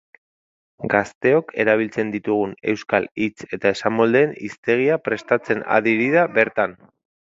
Gazteok erabiltzen ditugun euskal hitz eta esamoldeen hiztegia prestatzen ari dira bertan.